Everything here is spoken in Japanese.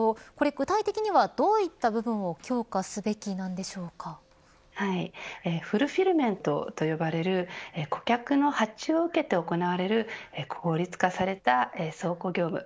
具体的にはどういった部分をフルフィルメントと呼ばれる顧客の発注を受けて行われる効率化された倉庫業務。